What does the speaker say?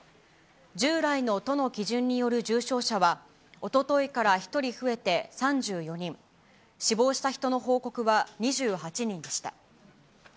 従来の都の基準による重症者は、おとといから１人増えて３４人、死亡した人の報告は２８人でした。